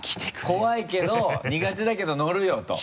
怖いけど苦手だけど乗るよと。